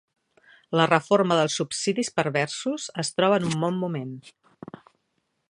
La reforma dels subsidis perversos es troba en un bon moment.